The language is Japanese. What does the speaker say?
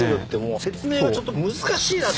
説明がちょっと難しいなって。